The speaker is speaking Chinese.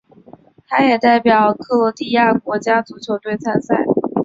他也代表克罗地亚国家足球队参赛。